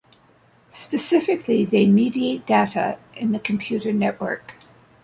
Specifically, they mediate data in a computer network.